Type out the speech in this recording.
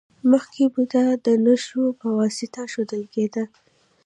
مخکې بودا د نښو په واسطه ښودل کیده